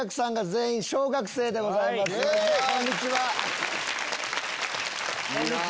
こんにちは。